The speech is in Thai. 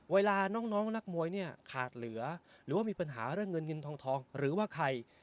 เวลาน้องนักมวยเนี่ยขาดเหลือหรือว่ามีปัญหาเรื่องเงินเงินทองหรือว่าใคร